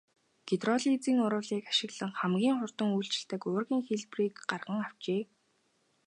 Гидролизын урвалыг ашиглан хамгийн хурдан үйлчилдэг уургийн хэлбэрийг гарган авчээ.